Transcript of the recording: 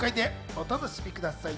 お楽しみください。